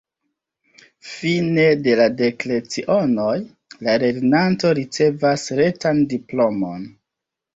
Fine de la dek lecionoj, la lernanto ricevas retan diplomon.